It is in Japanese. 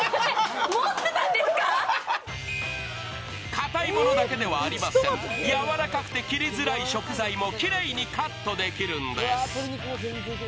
かたいものだけではありません、やわらかくて切りづらい食材もきれいにカットできるんです。